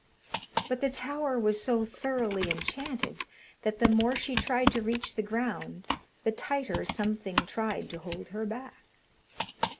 But the tower was so thoroughly enchanted that the more she tried to reach the ground the tighter something tried to hold her back.